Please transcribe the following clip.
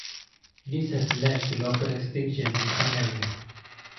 This has led to local extinction in some areas.